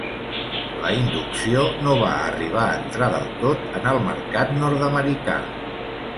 La inducció no va arribar a entrar del tot en el mercat nord-americà.